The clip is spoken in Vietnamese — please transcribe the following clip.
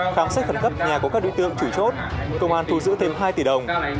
khám xét khẩn cấp nhà của các đối tượng chủ chốt công an thu giữ thêm hai tỷ đồng